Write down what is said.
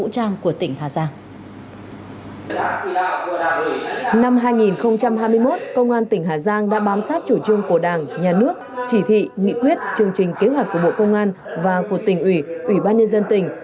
công an tỉnh hà giang đã bám sát chủ trương của đảng nhà nước chỉ thị nghị quyết chương trình kế hoạch của bộ công an và của tỉnh ủy ủy ban nhân dân tỉnh